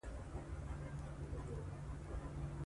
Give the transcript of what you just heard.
فشار ځينې عوارض لکه سر درد او ساه بندي راوړي.